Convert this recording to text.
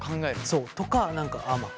そう。とか何かあまあ